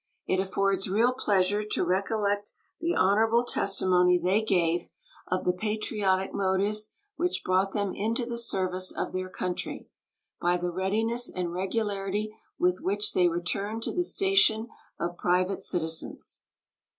It affords real pleasure to recollect the honorable testimony they gave of the patriotic motives which brought them into the service of their country, by the readiness and regularity with which they returned to the station of private citizens.